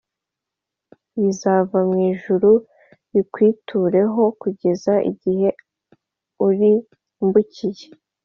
Bizava mu ijuru bikwitureho kugeza igihe urimbukiye.